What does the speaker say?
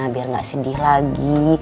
biar gak sedih lagi